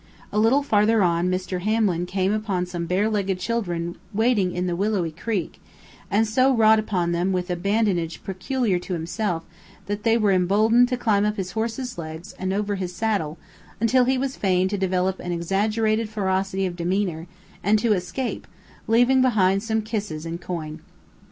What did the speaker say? A little farther on Mr. Hamlin came upon some barelegged children wading in the willowy creek, and so wrought upon them with a badinage peculiar to himself that they were emboldened to climb up his horse's legs and over his saddle, until he was fain to develop an exaggerated ferocity of demeanor, and to escape, leaving behind some kisses and coin.